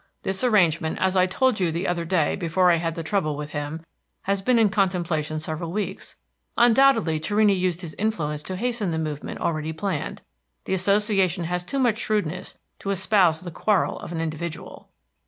This arrangement, as I told you the other day before I had the trouble with him, has been in contemplation several weeks. Undoubtedly Torrini used his influence to hasten the movement already planned. The Association has too much shrewdness to espouse the quarrel of an individual."